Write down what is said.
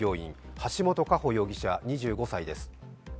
橋本佳歩容疑者２５歳です。